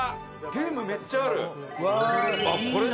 ゲームめっちゃある」